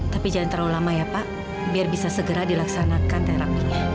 tapi jangan terlalu lama ya pak biar bisa segera dilaksanakan terapinya